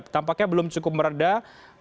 tampaknya belum cukup meredah